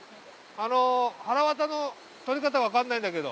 あのはらわたの取り方分かんないんだけど。